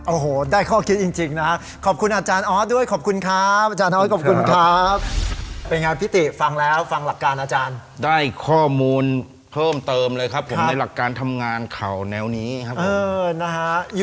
โอ้โหได้ความคิดจริงนะครับ